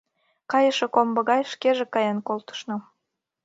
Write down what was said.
Кайыше комбо гай шкеже каен колтышна.